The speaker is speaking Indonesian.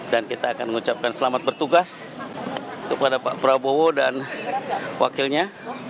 dan kita akan mengucapkan selamat bertugas kepada pak prabowo dan wakilnya